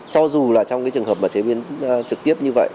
cho dù là trong cái trường hợp mà chế biến trực tiếp như vậy